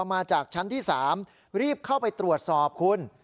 มาจากชั้นที่๓รีบเข้าไปตรวจสอบคุณ